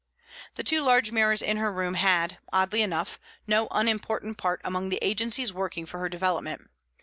The two large mirrors in her room had, oddly enough, no unimportant part among the agencies working for her development.